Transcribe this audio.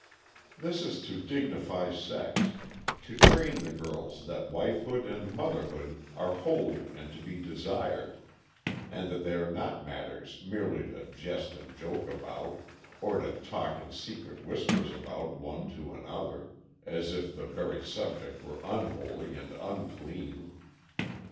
This is to dignify sex, to train the girls that wifehood and motherhood are holy and to be desired, and that they are not matters merely to jest and joke about, or to talk in secret whispers about one to another, as if the very subject were unholy and unclean.